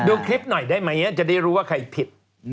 ดูคลิปหน่อยได้ไหมจะได้รู้ว่าใครผิด